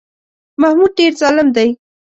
محمود ډېر ظالم دی.